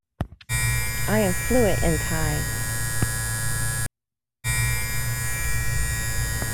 I am fluent in Thai.